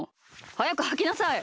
はやくはきなさい！